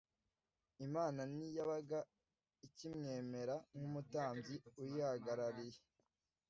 imana ntiyabaga icyimwemera nk’umutambyi uyihagarariye